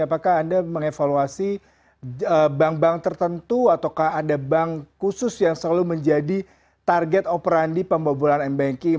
apakah anda mengevaluasi bank bank tertentu ataukah ada bank khusus yang selalu menjadi target operandi pembobolan mbanking